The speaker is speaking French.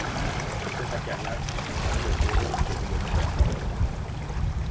Après sa carrière, il continue de courir en catégorie masters.